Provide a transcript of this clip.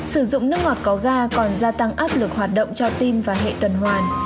sử dụng nước ngọt có ga còn gia tăng áp lực hoạt động cho tim và hệ tuần hoàn